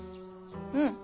うん。